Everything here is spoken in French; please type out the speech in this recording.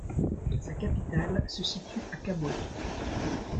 Sa capitale se situe à Kabwe.